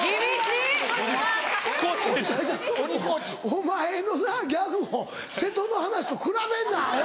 お前のなギャグを瀬戸の話と比べんなアホ！